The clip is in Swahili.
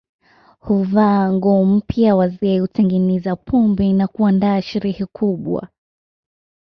Huvaa nguo mpya wazee hutengeneza pombe na kuandaa sherehe kubwa